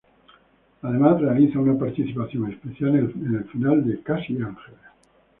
Además realiza una participación especial en el final de "Casi ángeles".